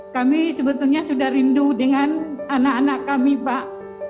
kami sebetulnya sudah rindu dengan anak anak kami pak